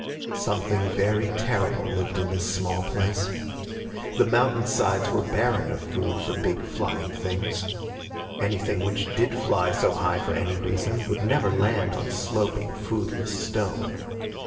Something very terrible lived in this small place. The mountainsides were barren of food for big flying things. Anything which did fly so high for any reason would never land on sloping, foodless stone.